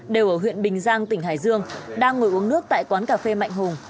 đều ở huyện bình giang tỉnh hải dương đang ngồi uống nước tại quán cà phê mạnh hùng